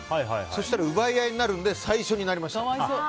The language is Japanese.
そしたら奪い始めるので最初になりました。